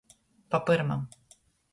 Pa pyrmam.